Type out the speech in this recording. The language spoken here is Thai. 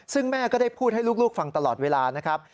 ซึ่งแม่ก็ได้พูดให้ลูกฟังตลอดเวลานะครับ